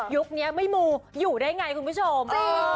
นี้ไม่มูอยู่ได้ไงคุณผู้ชม